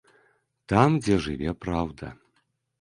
Там, дзе жыве праўда.